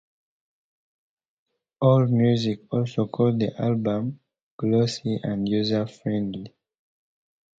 AllMusic also called the album "glossy and user-friendly".